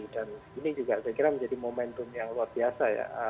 dan ini juga saya kira menjadi momentum yang luar biasa ya